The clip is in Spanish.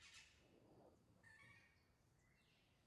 Premios India Catalina